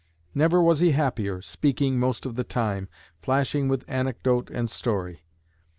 Never was he happier, speaking most of the time, flashing with anecdote and story.